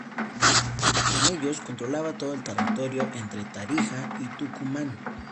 Con ellos controlaba todo el territorio entre Tarija y Tucumán.